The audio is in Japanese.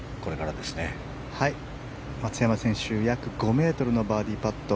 はい、松山選手約５ｍのバーディーパット。